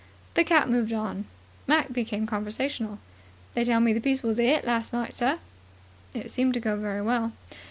The cat moved on. Mac became conversational. "They tell me the piece was a hit last night, sir." "It seemed to go very well."